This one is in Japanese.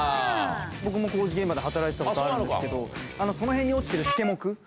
僕も工事現場で働いてたことあるんですけどその辺に落ちてる。